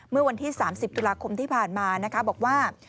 เมื่อวันที่๓๐ตุลาคมที่ผ่านมานะคะบอกว่า